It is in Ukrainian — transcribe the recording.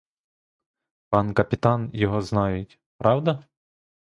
Пан капітан його знають, правда?